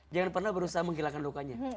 jangan pernah berusaha menghilangkan lukanya